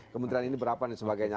kementerian ini berapa dan sebagainya